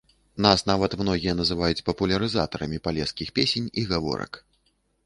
Нас нават многія называюць папулярызатарамі палескіх песень і гаворак.